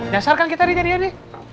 dasarkan kita deh deh deh